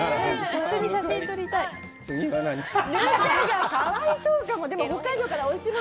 一緒に写真を撮りたい。